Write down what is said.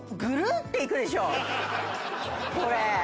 これ。